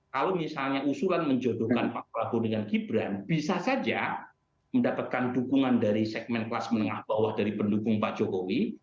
kalau misalnya usulan menjodohkan pak prabowo dengan gibran bisa saja mendapatkan dukungan dari segmen kelas menengah bawah dari pendukung pak jokowi